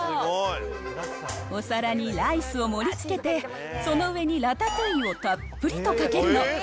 お皿にライスを盛りつけて、その上にラタトゥイユをたっぷりとかけるの。